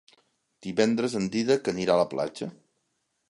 Divendres en Dídac anirà a la platja.